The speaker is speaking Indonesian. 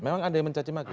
memang ada yang mencacimaki